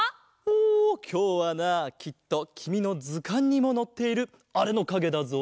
おきょうはなきっときみのずかんにものっているあれのかげだぞ。